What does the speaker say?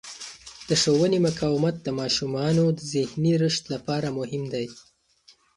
د ښوونې مقاومت د ماشومانو ذهني رشد لپاره مهم دی.